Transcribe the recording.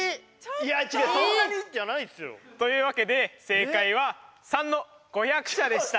いや違う「そんなに」じゃないっすよ。というわけで正解は③の５００社でした。